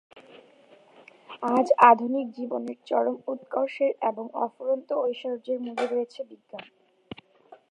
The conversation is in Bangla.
আজ আধুনিক জীবনের চরম উৎকর্ষের এবং অফুরন্ত ঐশ্বর্যের মূলে রয়েছে বিজ্ঞান।